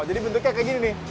jadi bentuknya kayak gini nih